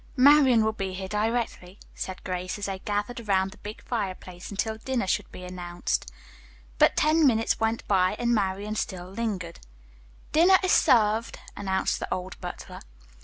"Marian will be here directly," said Grace, as they gathered about the big fireplace until dinner should be announced. But ten minutes went by, and Marian still lingered. "Dinner is served," announced the old butler.